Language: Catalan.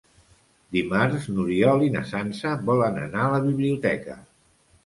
Dimarts n'Oriol i na Sança volen anar a la biblioteca.